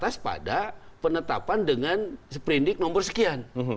terbatas pada penetapan dengan sprint rate nomor sekian